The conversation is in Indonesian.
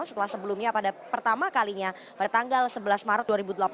setelah sebelumnya pada pertama kalinya pada tanggal sebelas maret dua ribu delapan belas